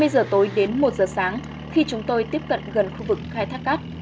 hai mươi giờ tối đến một giờ sáng khi chúng tôi tiếp cận gần khu vực khai thác cát